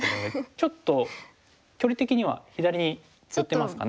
ちょっと距離的には左に寄ってますかね。